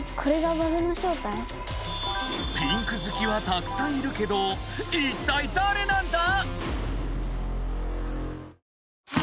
ピンクずきはたくさんいるけどいったいだれなんだ？